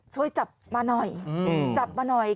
ช่วยจับมาหน่อย